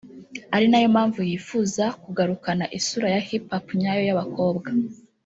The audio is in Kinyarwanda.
ari nayo mpamvu yifuza kugarukana isura ya hip hop nyayo y’abakobwa